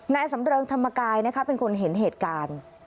นายสำเริงธรรมกายนะคะเป็นคนเห็นเหตุการณ์